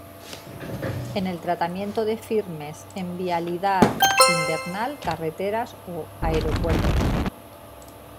En el tratamiento de firmes en vialidad invernal; carreteras o aeropuertos.